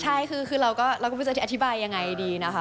ใช่คือเราก็ไม่รู้จะอธิบายยังไงดีนะคะ